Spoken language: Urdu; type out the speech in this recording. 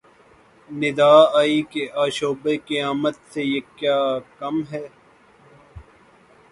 ندا آئی کہ آشوب قیامت سے یہ کیا کم ہے